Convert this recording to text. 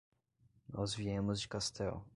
Nós viemos de Castell.